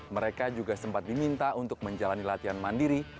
mereka juga sempat diminta untuk menjalani latihan mandiri